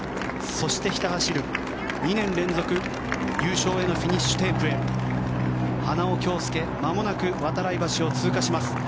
そして、ひた走る２年連続のフィニッシュテープへ、花尾恭輔まもなく度会橋を通過します。